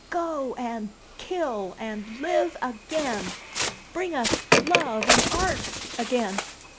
"Go and kill and live again! Bring us love and art again!